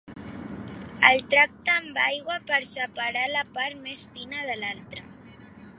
El tracta amb aigua per separar la part més fina de l'altra.